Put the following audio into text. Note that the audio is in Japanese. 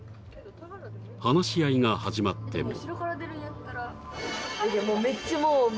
話し合いが始まっても。